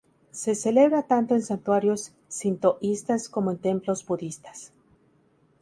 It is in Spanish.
Se celebra tanto en santuarios sintoístas como en templos budistas.